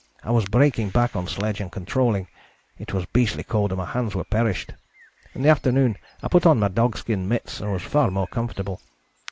I was breaking back on sledge and controlling; it was beastly cold and my hands were perished. In the afternoon I put on my dogskin mitts and was far more comfortable.